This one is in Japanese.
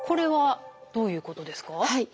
はい。